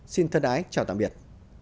xin thân ái chào tạm biệt